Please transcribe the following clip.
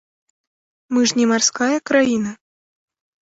Мы ж не марская краіна.